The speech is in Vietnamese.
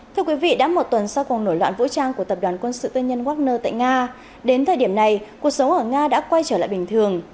thưa quý vị đã một tuần sau cuộc nổi loạn vũ trang của tập đoàn quân sự tư nhân wagner tại nga đến thời điểm này cuộc sống ở nga đã quay trở lại bình thường